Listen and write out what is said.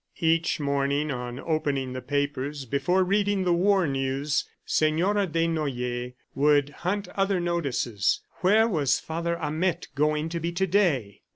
Each morning on opening the papers, before reading the war news, Senora Desnoyers would hunt other notices. "Where was Father Amette going to be to day?"